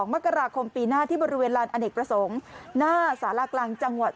มกราคมปีหน้าที่บริเวณลานอเนกประสงค์หน้าสารากลางจังหวัด